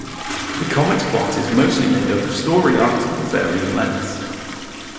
The comic's plot is mostly made up of story arcs of varying lengths.